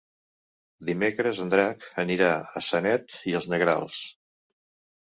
Dimecres en Drac anirà a Sanet i els Negrals.